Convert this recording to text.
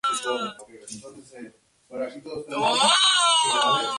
Igualmente ha dirigido Madama Butterfly en Oviedo.